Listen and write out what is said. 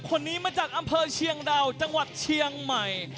คนนี้มาจากอำเภอเชียงดาวจังหวัดเชียงใหม่